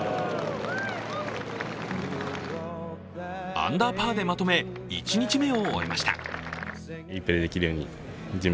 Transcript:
アンダーパーでまとめ１日目を終えました。